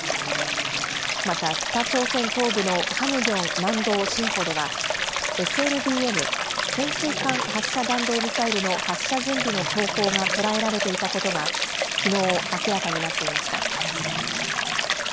また、北朝鮮東部のハムギョン南道シンポでは、ＳＬＢＭ・潜水艦発射弾道ミサイルの発射準備の兆候が捉えられていたことが、きのう明らかになっていました。